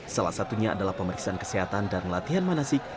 salah satunya adalah pemeriksaan kesehatan dan latihan manasik